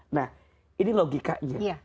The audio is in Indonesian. nah ini logikanya